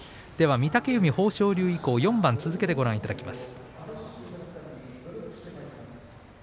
御嶽海、豊昇龍以降４番続けてご覧いただきます。